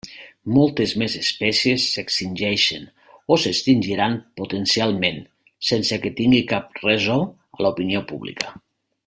Moltes més espècies s'extingeixen, o s'extingiran potencialment, sense que tingui cap reso a l'opinió pública.